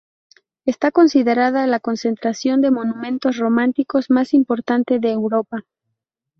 Está considerada la concentración de monumentos románicos más importante de Europa.